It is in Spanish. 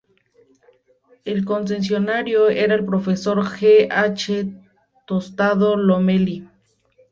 El concesionario era el profesor J. H. Tostado Lomelí.